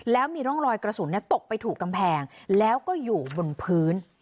แล้วมีร่องรอยกระสุนตกไปถูกกำแพงแล้วก็อยู่บนพื้น